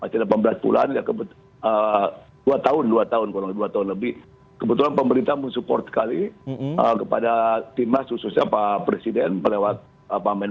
kebetulan pemerintah mensupport kali kepada timas khususnya pak presiden melewat apa main